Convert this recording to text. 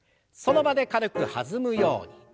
その場で軽く弾むように。